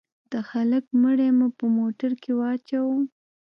د هلك مړى مو په موټر کښې واچاوه.